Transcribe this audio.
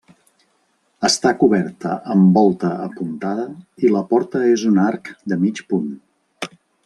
Està coberta amb volta apuntada i la porta és un arc de mig punt.